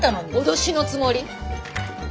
脅しのつもり？